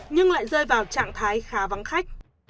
nhưng lại rơi vào trạng thái khá vắng khách